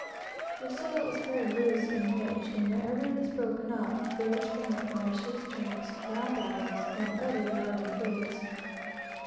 The soil is very loose and rich, and wherever it is broken up, there spring up immediately radishes, turnips, ground apples, and other garden fruits.